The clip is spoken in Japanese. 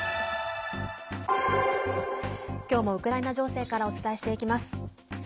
きょうも、ウクライナ情勢からお伝えしていきます。